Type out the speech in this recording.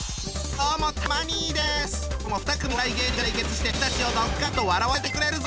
今日も２組のお笑い芸人が対決して君たちをドッカンと笑わせてくれるぞ。